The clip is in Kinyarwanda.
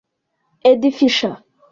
Eddie Fisher